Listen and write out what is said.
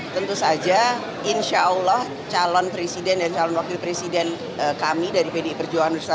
tentu saja insya allah calon presiden dan calon wakil presiden kami dari pdi perjuangan dan berserta